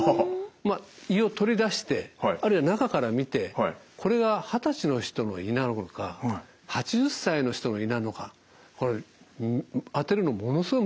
胃を取り出してあるいは中から見てこれが二十歳の人の胃なのか８０歳の人の胃なのかこれ当てるのものすごい難しいんですね。